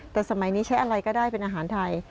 แต่สมัยนี้ใช้อะไรก็ได้เป็นอาหารไทย